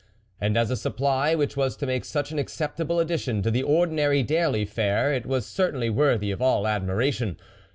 And as a supply, which was to make such an acceptable addition to the ordinary daily fare, it was certainly worthy of all admira tion.